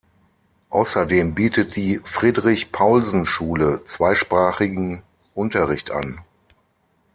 Außerdem bietet die Friedrich-Paulsen-Schule zweisprachigen Unterricht an.